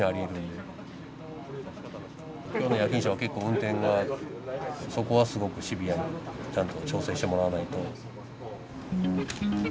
今日の夜勤者は結構運転はそこはすごくシビアにちゃんと調整してもらわないと。